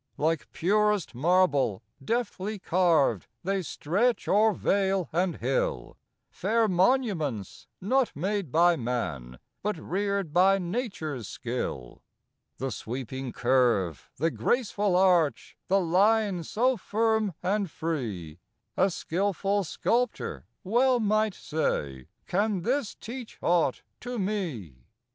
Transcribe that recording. Like purest marble, deftly carv'd, They stretch o'er vale and hill, Fair monuments, not made by man, But rear'd by nature's skill. The sweeping curve, the graceful arch, The line so firm and free; A skilful sculptor well might say: "Can this teach aught to me?"